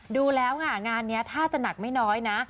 ดูแล้วค่ะงานนี้ถ้าจะหนักไม่น้อยนะ